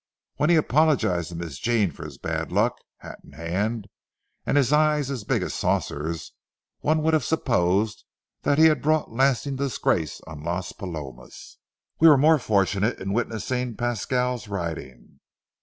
When he apologized to Miss Jean for his bad luck, hat in hand and his eyes as big as saucers, one would have supposed he had brought lasting disgrace on Las Palomas. We were more fortunate in witnessing Pasquale's riding.